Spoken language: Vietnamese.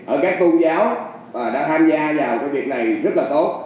ở các tôn giáo và đã tham gia vào cái việc này rất là tốt